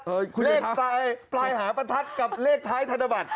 เลขปลายหาประทัดกับเลขท้ายธนบัตร